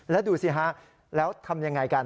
แล้วดูสิฮะแล้วทำยังไงกัน